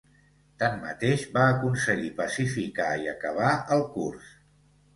Tanmateix va aconseguir pacificar i acabar el curs.